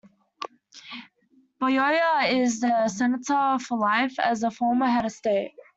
Buyoya is a Senator for life as a former head of state.